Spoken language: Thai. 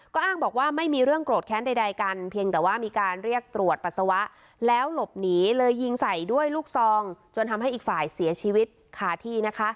ก็อ้างบอกว่าไม่มีเรื่องโกรธแค้นใดกันเพียงแต่ว่ามีการเรียกตรวจปัสสาวะแล้วหลบหนีเลยยิงใส่ด้วยลูกซองจนทำให้อีกฝ่ายเสียชีวิตคาที่นะคะ